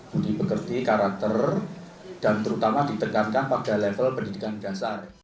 budi pekerti karakter dan terutama ditekankan pada level pendidikan dasar